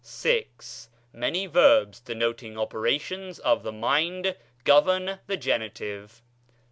VI. Many verbs denoting operations of the mind govern the genitive.